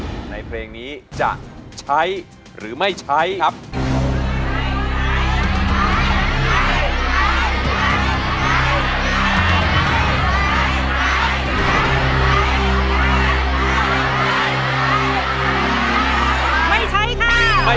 เปลี่ยนเพลงเก่งของคุณและข้ามผิดได้๑คำ